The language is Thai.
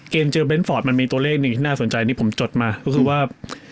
เกมเจอเน้นฟอร์ดมันมีตัวเลขหนึ่งที่น่าสนใจที่ผมจดมาก็คือว่า